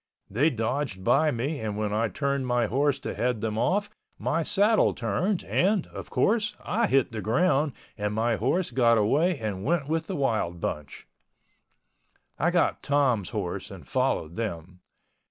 They dodged by me and when I turned my horse to head them off my saddle turned and, of course, I hit the ground and my horse got away and went with the wild bunch. I got Tom's horse and followed them.